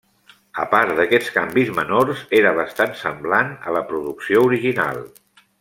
A part d'aquests canvis menors, era bastant semblant a la producció original.